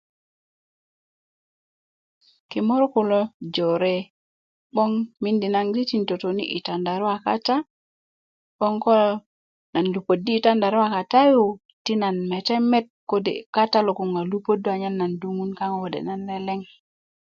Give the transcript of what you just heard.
kimur kulo jore 'boŋ miindi naŋ di ti nan totoni' yi tandaruwa kata 'boŋ ko nan miindi lupöddu kata yu ti man mete met kode lele' kata logoŋ a lupöddu kata yu anyen duŋun kaŋo kode' nan leleŋ